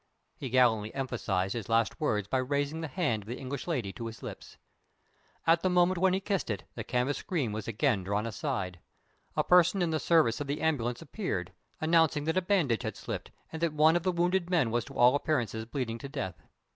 He gallantly emphasized his last words by raising the hand of the English lady to his lips. At the moment when he kissed it the canvas screen was again drawn aside. A person in the service of the ambulance appeared, announcing that a bandage had slipped, and that one of the wounded men was to all appearance bleeding to death.